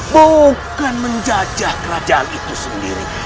bukan menjajah kerajaan itu sendiri